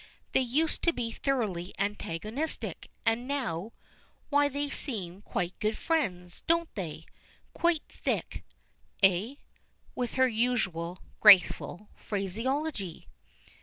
They used to be thoroughly antagonistic, and now why they seem quite good friends, don't they? Quite thick, eh?" with her usual graceful phraseology.